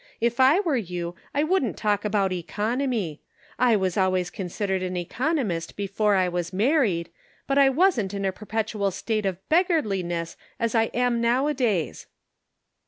If I were you. I wouldn't talk about economy. I was always considered an economist before I was married ; but I wasn't in a perpetual state of beggarli ness as I am nowadays."